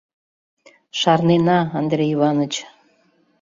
— Шарнена, Андрей Иваныч.